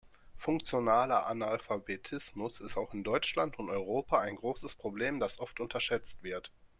Funktionaler Analphabetismus ist auch in Deutschland und Europa ein großes Problem, das oft unterschätzt wird.